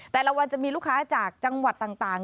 แต่ละวันจะมีลูกค้าจากจังหวัดต่าง